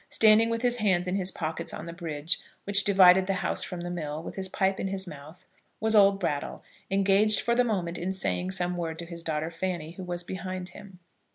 Standing with his hands in his pockets on the bridge which divided the house from the mill, with his pipe in his mouth, was old Brattle, engaged for the moment in saying some word to his daughter, Fanny, who was behind him.